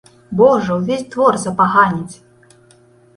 Божа, увесь двор запаганіць!